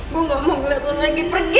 gue gak mau ngeliat lo lagi pergi